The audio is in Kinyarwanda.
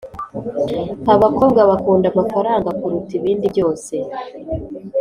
Abakobwa bakunda amafaranga kuruta ibindi byose